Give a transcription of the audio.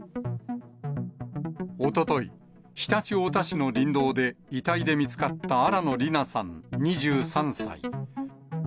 おととい、常陸太田市の林道で、遺体で見つかった新野りなさん２３歳。